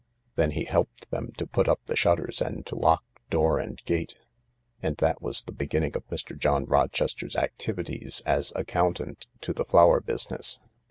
Then he helped them to put up the shutters and to lock door and gate. And that was the beginning of Mr. John Rochester's activities as accountant to the flower business.